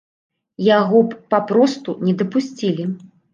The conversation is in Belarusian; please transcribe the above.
Яго б папросту не дапусцілі.